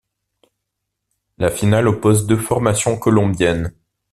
La finale oppose deux formations colombiennes.